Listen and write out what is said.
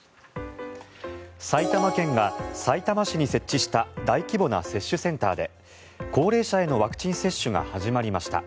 埼玉県がさいたま市に設置した大規模な接種センターで高齢者へのワクチン接種が始まりました。